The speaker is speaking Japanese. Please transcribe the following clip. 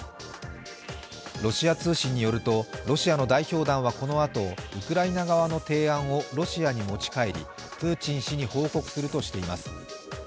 ロシア通信によるとロシアの代表団はこのあとウクライナ側の提案をロシアに持ち帰りプーチン氏に報告するとしています。